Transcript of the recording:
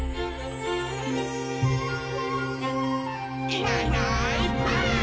「いないいないばあっ！」